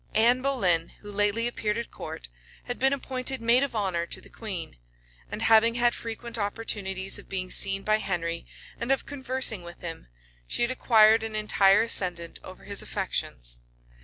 Anne Boleyn, who lately appeared at court, had been appointed maid of honor to the queen; and having had frequent opportunities of being seen by Henry, and of conversing with him, she had acquired an entire ascendant over his affections.